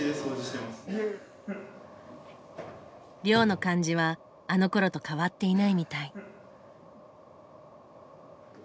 寮の感じはあのころと変わってないみたい。